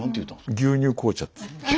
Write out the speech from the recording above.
「牛乳紅茶」って。